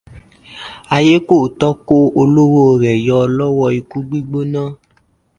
Ayekòótọ́ kó olówó rẹ̀ yọ lọ́wọ́ ikú gbígbóná.